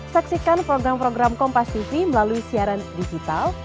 saksikan program program kompas tv melalui siaran digital